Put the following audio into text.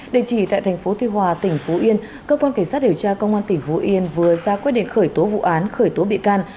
địa chỉ tại tp tuy hòa tỉnh phú yên cơ quan cảnh sát điều tra công an tỉnh phú yên vừa ra quyết định khởi tố vụ án khởi tố bị can